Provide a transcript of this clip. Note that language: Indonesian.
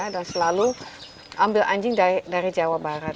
dan selalu ambil anjing dari jawa barat